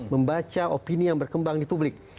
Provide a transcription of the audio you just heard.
membaca opini yang berkembang di publik